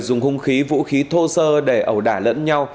dùng hung khí vũ khí thô sơ để ẩu đả lẫn nhau